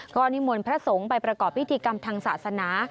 ก็นิมนต์พระสงฆ์ไปประกอบพิธีกรรมทางศาสนา